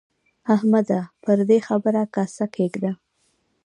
احمده! پر دې خبره کاسه کېږده.